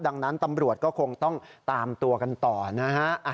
ดังนั้นตำรวจก็คงต้องตามตัวกันต่อนะฮะ